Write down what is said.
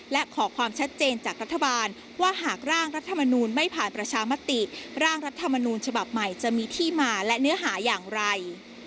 และขอความชัดเจนจากรัฐบาลว่าหากร่างรัฐมนูลไม่ผ่านประชามติร่างรัฐมนูญฉบับใหม่จะมีที่มาและเนื้อหาอย่างไร